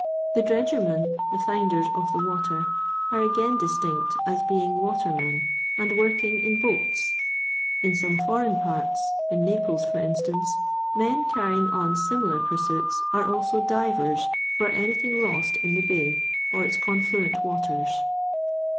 The dredlgermen, the finders of the water, are again distinct, as being watermen, and working in boats. In some foreign parts, in Naples, for in stance, men carrying on similar pursuits are also divers for anything lost in the bay or its confluent waters.